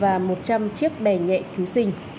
và một trăm linh chiếc bè nhẹ cứu sinh